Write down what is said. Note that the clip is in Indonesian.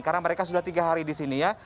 karena mereka sudah tiga hari di sini ya